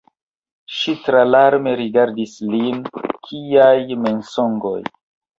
Ŝi tralarme rigardis lin: “Kiaj mensogoj?